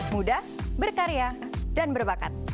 muda berkarya dan berbakat